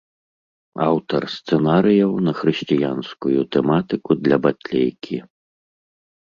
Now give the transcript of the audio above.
Аўтар сцэнарыяў на хрысціянскую тэматыку для батлейкі.